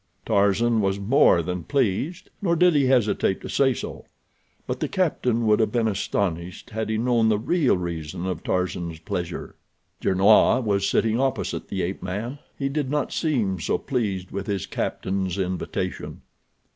Tarzan was more than pleased, nor did he hesitate to say so; but the captain would have been astonished had he known the real reason of Tarzan's pleasure. Gernois was sitting opposite the ape man. He did not seem so pleased with his captain's invitation.